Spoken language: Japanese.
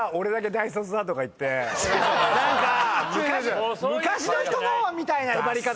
何か昔の人みたいな威張り方。